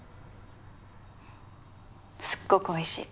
すっごくおいしい。